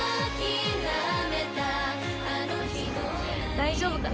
大丈夫かな。